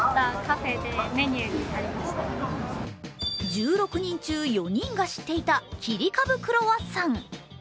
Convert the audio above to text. １６人中４人が知っていた切り株クロワッサン。